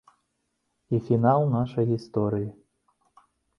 І фінал нашай гісторыі.